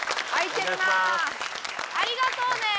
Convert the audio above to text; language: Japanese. ありがとうね！